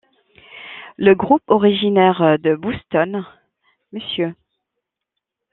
Le groupe originaire de Boston Mr.